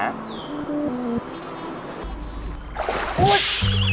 โอ๊ยยยย